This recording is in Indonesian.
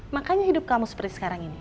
makanya hidup kamu seperti sekarang ini